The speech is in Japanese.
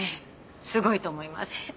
すごいと思います。